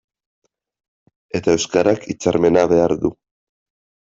Eta euskarak hitzarmena behar du.